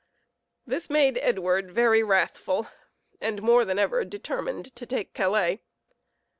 This made Edward very wrathful, and more than ever determined to take Calais.